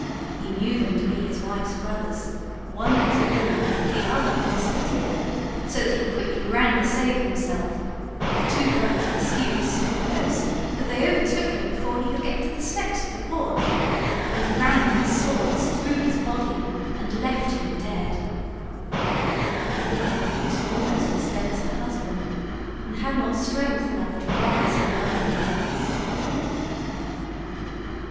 He knew them to be his wife's brothers, one a dragoon, the other a musketeer; so that he quickly ran to save himself; but the two brothers pursued so close that they overtook him before he could get to the steps of the porch, and ran their swords through his body and left him dead. The poor wife was almost as dead as her husband, and had not strength enough to rise and welcome her brothers.